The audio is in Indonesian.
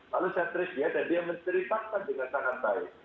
lalu saya treat dia dan dia menceritakan dengan sangat baik